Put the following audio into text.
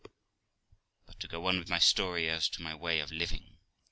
But to go on with my story as to my way of living.